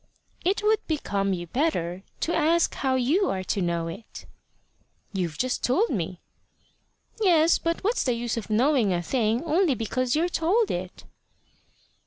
"It would become you better to ask how you are to know it." "You've just told me." "Yes. But what's the use of knowing a thing only because you're told it?"